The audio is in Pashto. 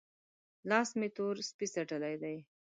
لاس مې تور سپۍ څټلی دی؟